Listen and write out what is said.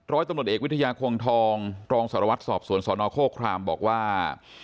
ร้อยตำรวจเอกวิทยาควงทองโรงสรวรรษศอบสวนสทธิ์อรมณ์โครคคลามบอกว่า